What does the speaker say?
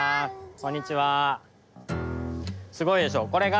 こんにちは。